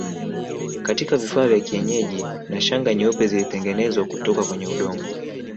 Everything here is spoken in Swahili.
Katika vifaa vya kienyeji na Shanga nyeupe zilitengenezwa kutoka kwenye udongo